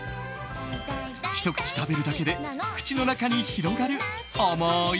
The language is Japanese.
ひと口食べるだけで口の中に広がるあまい